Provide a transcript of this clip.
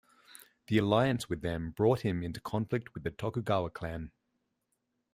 The alliance with them brought him into conflict with the Tokugawa clan.